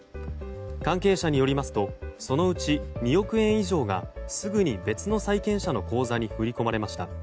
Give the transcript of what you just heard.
関係者によりますとそのうち２億円以上がすぐに別の債権者の口座に振り込まれました。